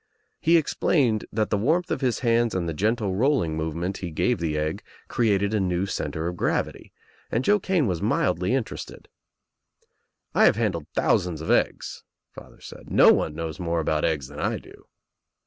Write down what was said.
He explained that the warmth of his hands and the gentle rolling move ment he gave the egg created a new centre of gravity, and Joe Kane was mildly interested, "I have handled thousands of eggs," father said. "No one knows more about eggs than I do."